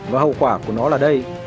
và hậu quả của nó là đây